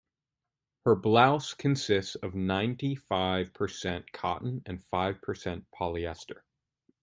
Her blouse consists of ninety-five percent cotton and five percent polyester.